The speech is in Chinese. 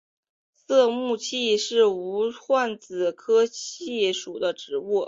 色木槭是无患子科槭属的植物。